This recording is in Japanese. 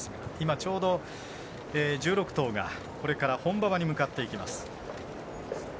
ちょうど１６頭が、これから本馬場に向かっていきます。